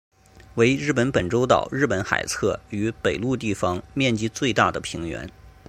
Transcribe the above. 为日本本州岛日本海侧与北陆地方面积最大的平原。